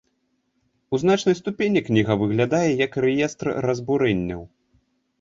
У значнай ступені кніга выглядае як рэестр разбурэнняў.